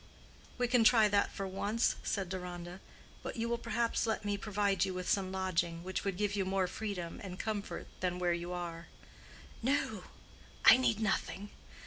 "We can try that for once," said Deronda. "But you will perhaps let me provide you with some lodging, which would give you more freedom and comfort than where you are." "No; I need nothing.